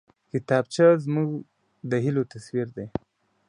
کتابچه زموږ د هيلو تصویر دی